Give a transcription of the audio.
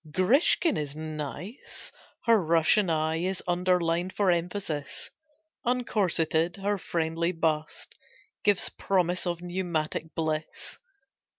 ..... Grishkin is nice: her Russian eye Is underlined for emphasis; Uncorseted, her friendly bust Gives promise of pneumatic bliss.